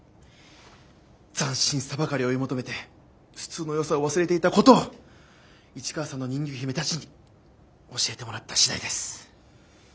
斬新さばかりを追い求めて普通のよさを忘れていたことを市川さんの人魚姫たちに教えてもらった次第です。